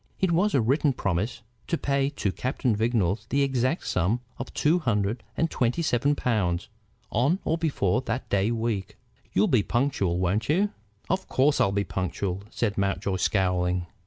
It was a written promise to pay to Captain Vignolles the exact sum of two hundred and twenty seven pounds on or before that day week. "You'll be punctual, won't you?" "Of course I'll be punctual," said Mountjoy, scowling.